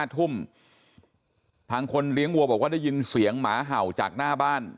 ทางคนเลี้ยงวัวบอกว่าได้ยินเสียงหมาเห่าจากหน้าบ้าน